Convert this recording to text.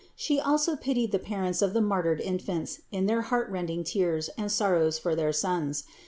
She also pitied the parents of the martyred infants in their heartrending tears and sorrows for their sons.